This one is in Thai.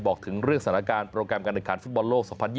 บอกถึงเรื่องสถานการณ์โปรแกรมการแข่งขันฟุตบอลโลก๒๐๒๐